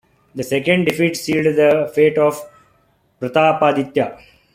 The second defeat sealed the fate of Pratapaditya.